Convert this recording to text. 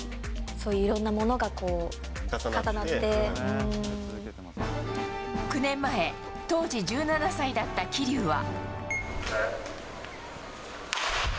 そういういろんなものが重な９年前、当時１７歳だった桐生は。